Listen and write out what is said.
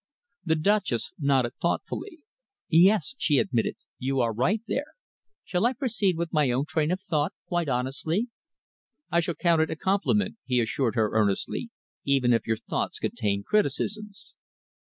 The Duchess nodded thoughtfully. "Yes," she admitted, "you are right there. Shall I proceed with my own train of thought quite honestly?" "I shall count it a compliment," he assured her earnestly, "even if your thoughts contain criticisms."